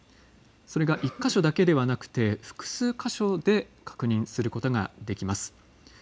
それが１か所だけではなくて複数箇所で確認することができます。